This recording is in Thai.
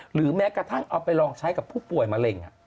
หรือแม้กระทั่งเอาไปลองใช้กับผู้ป่วยมะเร็ง